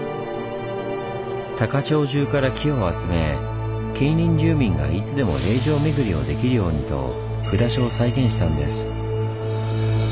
高千穂じゅうから寄付を集め近隣住民がいつでも霊場巡りをできるようにと札所を再現したんです。